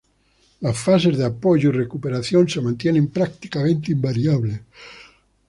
Las fases de apoyo y recuperación se mantienen prácticamente invariables.